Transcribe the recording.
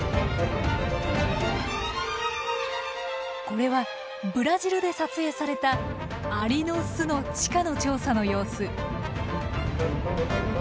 これはブラジルで撮影されたアリの巣の地下の調査の様子。